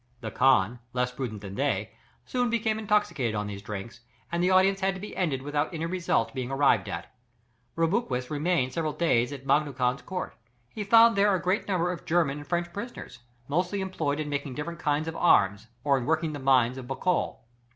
The khan, less prudent than they, soon became intoxicated on these drinks, and the audience had to be ended without any result being arrived at. Rubruquis remained several days at Mangu Khan's court; he found there a great number of German and French prisoners, mostly employed in making different kinds of arms, or in working the mines of Bocol.